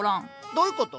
どういうこと？